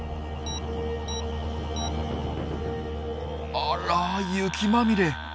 あら雪まみれ。